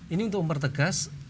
ini untuk mempertegas